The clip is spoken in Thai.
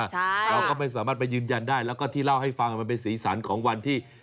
เราก็ไม่สามารถไปยืนยันได้แล้วก็ที่เล่าให้ฟังมันเป็นสีสันของวันที่